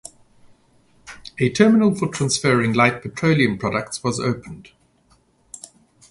A terminal for transferring light petroleum products was opened.